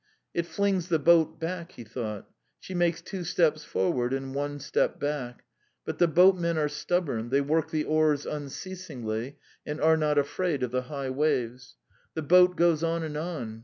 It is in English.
"It flings the boat back," he thought; "she makes two steps forward and one step back; but the boatmen are stubborn, they work the oars unceasingly, and are not afraid of the high waves. The boat goes on and on.